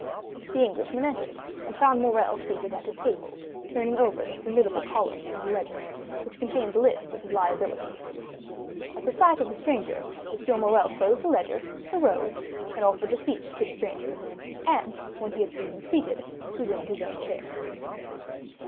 The Englishman entered, and found Morrel seated at a table, turning over the formidable columns of his ledger, which contained the list of his liabilities. At the sight of the stranger, M. Morrel closed the ledger, arose, and offered a seat to the stranger; and when he had seen him seated, resumed his own chair.